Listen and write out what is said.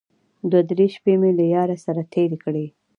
دوه درې شپې مې له ياره سره تېرې کړې.